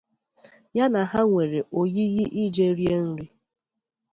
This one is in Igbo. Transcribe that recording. Ya na ha nwere oyiyi ije rie nri